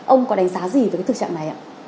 ông có đánh giá gì về tình trạng này ạ